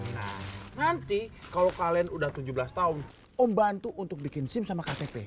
nah nanti kalo kalian udah tujuh belas tahun om bantu bikin sim sama ktp